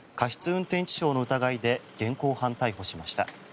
運転致傷の疑いで現行犯逮捕しました。